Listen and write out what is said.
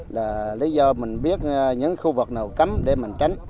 là lý do mình biết những khu vực nào cấm để mình tránh